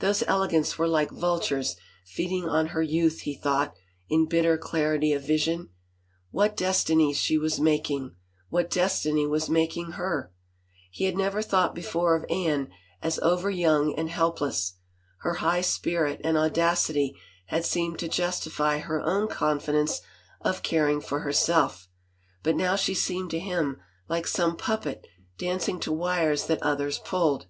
Those elegants were like vultures feeding on her youth, he thought, in bitter clarity of vision. What destinies she was making, what destiny was making her I He had never thought before of Anne as over young and helpless : her high spirit and audacity had seemed to justify her own confidence of caring for herself, but now she seemed to him like some puppet dancing to wires that others pulled.